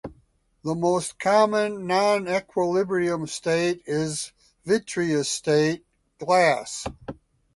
The most common non-equilibrium state is vitreous state, glass.